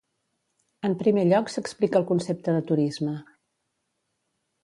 En primer lloc s'explica el concepte de turisme.